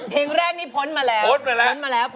เพลงแรกนี้พ้นมาแล้ว